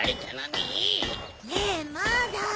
ねぇまだ？